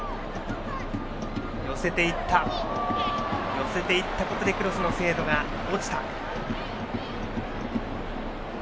寄せていったことでクロスの精度が落ちた。